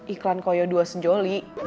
iklan koyo dua sejoli